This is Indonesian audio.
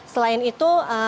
selain itu jam operasional dan